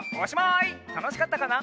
たのしかったかな？